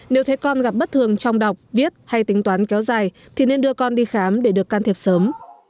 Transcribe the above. nếu thấy con gặp bất thường trong đọc viết hay tính toán kéo dài thì nên đưa con đi khám để được can thiệp sớm